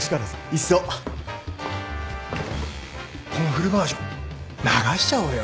いっそこのフルバージョン流しちゃおうよ